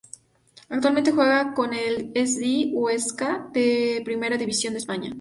Actualmente juega en el S. D. Huesca de Primera División de España.